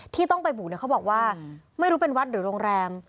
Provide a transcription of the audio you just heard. ที่ต้องไปบุกเขาบอกว่าไม่รู้เป็นวัดหรือโรงแรม